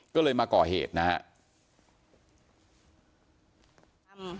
ก็เลยมาก่อเหตุนะครับ